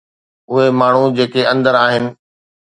اهي ماڻهو جيڪي اندر آهن.